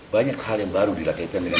banyak hal yang baru dikaitkan dengan